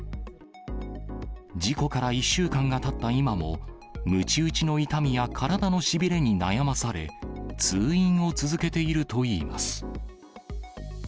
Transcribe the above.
事故から１週間がたった今も、むち打ちの痛みや体のしびれに悩まされ、通院を続けているといいます。